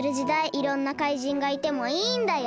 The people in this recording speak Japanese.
いろんな怪人がいてもいいんだよ。